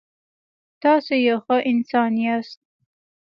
تاسو یو ښه انسان یاست.